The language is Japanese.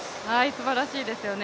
すばらしいですよね。